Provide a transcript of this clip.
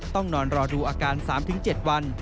ต้องนอนรอดูอาการ๓๗วัน